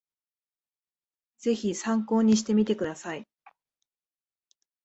ぜひ参考にしてみてください